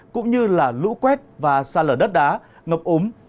cũng như lũ quét xa lở đất đá ngập úng